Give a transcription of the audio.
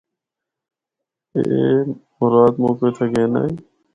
اے مراد مُکّو اِتھا گِن آئی۔